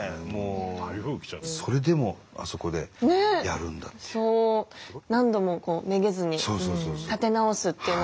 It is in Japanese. それでもあそこでやるんだっていう。